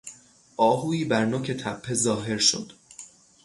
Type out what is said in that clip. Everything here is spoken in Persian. آهویی بر نوک تپه ظاهر شد.